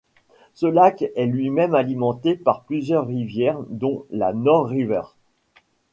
Ce lac est lui-même alimenté par plusieurs rivières dont la North River.